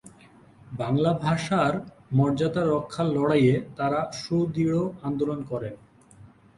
বাংলা ভাষার মর্যাদা রক্ষার লড়াইয়ে তারা সুদৃঢ় আন্দোলন করেন।